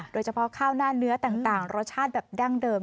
โดยเฉพาะข้าวหน้าเนื้อต่างรสชาติแบบดั้งเดิม